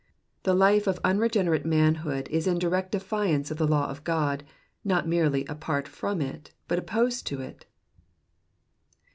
The life of unregenerate manhood is in direct defiance of the law of God, not merely apart from it but opposed to it.